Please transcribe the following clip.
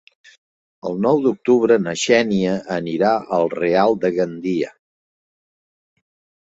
El nou d'octubre na Xènia anirà al Real de Gandia.